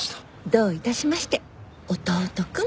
どういたしまして弟君。